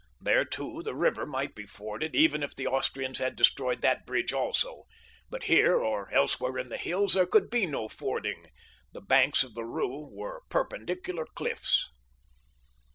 There, too, the river might be forded even if the Austrians had destroyed that bridge also; but here or elsewhere in the hills there could be no fording—the banks of the Ru were perpendicular cliffs.